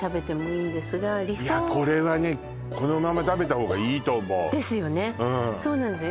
これはねこのまま食べた方がいいと思うですよねそうなんですよ